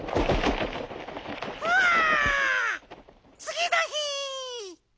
つぎのひ！